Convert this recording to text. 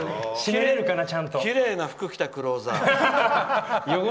きれいな服着たクローザー。